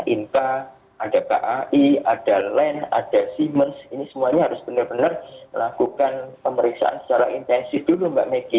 inka ada kai ada land ada seemers ini semuanya harus benar benar lakukan pemeriksaan secara intensif dulu mbak megi